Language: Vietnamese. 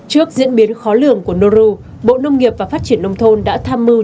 trước diễn biến khó lường của noru bộ nông nghiệp và phát triển nông thôn đã tham mưu